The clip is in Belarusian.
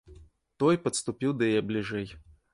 Той падступіў да яе бліжэй.